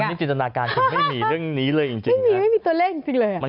คุณมีจินตนาการคุณไม่หนีเรื่องนี้เลยจริงนะไม่หนีไม่มีตัวเลขจริงเลย